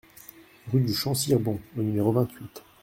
Rue du Champ Sirebon au numéro vingt-huit